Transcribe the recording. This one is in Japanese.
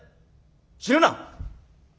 死ぬな」。